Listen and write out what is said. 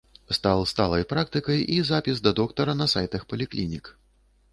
Стаў сталай практыкай і запіс да доктара на сайтах паліклінік.